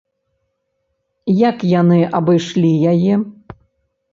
Як яны абышлі яе?